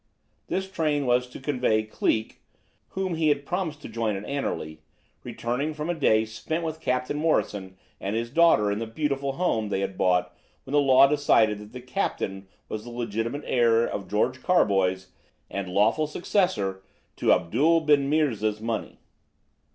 This train was to convey Cleek, whom he had promised to join at Anerley, returning from a day spent with Captain Morrison and his daughter in the beautiful home they had bought when the law decided that the captain was the legitimate heir of George Carboys and lawful successor to Abdul ben Meerza's money.